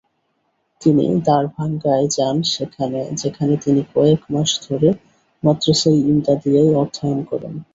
তিনি দারভাঙ্গায় যান যেখানে তিনি কয়েক মাস ধরে মাদ্রাসা-ই-ইমদাদিয়ায় অধ্যয়ন করেন।